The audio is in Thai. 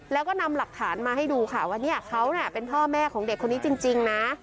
แล้วก็นำหลักฐานมาให้ดูค่ะว่าเนี่ยเขาเป็นพ่อแม่ของเด็กคนนี้จริงนะ